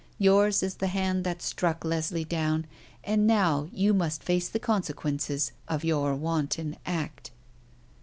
Yours is the hand that struck Leslie down, and now you must face the consequences of your wanton act."